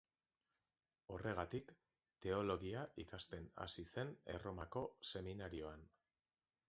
Horregatik, teologia ikasten hasi zen Erromako seminarioan.